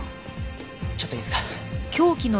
ちょっといいですか？